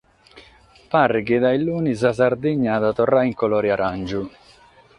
Paret chi dae lunis sa Sardigna at a torrare in colore aràngiu.